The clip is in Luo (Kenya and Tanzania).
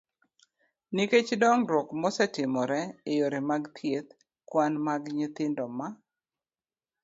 nikech dongruok mosetimore e yore mag thieth, kwan mag nyithindo ma